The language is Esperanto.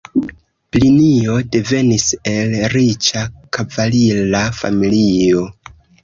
Plinio devenis el riĉa kavalira familio.